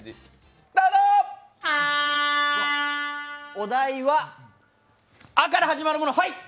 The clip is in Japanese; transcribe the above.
お題はあから始まるもの。